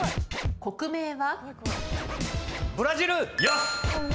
国名は？